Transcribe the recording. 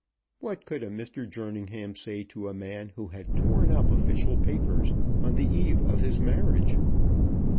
What could a Mr. Jerningham say to a man who had torn up official papers on the eve of his marriage?